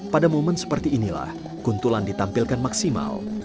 pada momen seperti inilah kuntulan ditampilkan maksimal